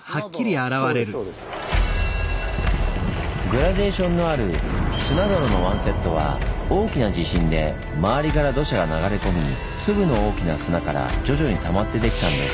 グラデーションのある砂泥のワンセットは大きな地震で周りから土砂が流れ込み粒の大きな砂から徐々にたまってできたんです。